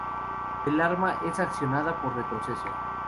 El arma es accionada por retroceso.